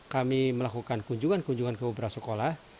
kami melakukan kunjungan kunjungan ke beberapa sekolah